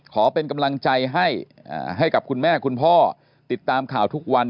ขอเป็นกำลังใจให้ให้กับคุณแม่คุณพ่อติดตามข่าวทุกวัน